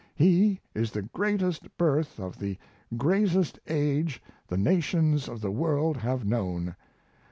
He is the greatest birth of the greatest age the nations of the world have known.